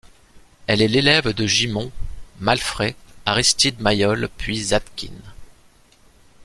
Elle est l'élève de Gimond, Malfray, Aristide Maillol puis Zadkine.